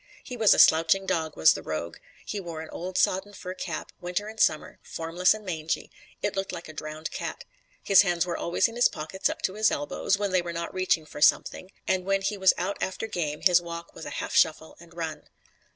He was a slouching dog, was the Rogue. He wore an old, sodden fur cap, Winter and Summer, formless and mangy; it looked like a drowned cat. His hands were always in his pockets up to his elbows, when they were not reaching for something, and when he was out after game his walk was a half shuffle and run.